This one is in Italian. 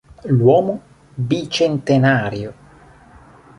L'uomo bicentenario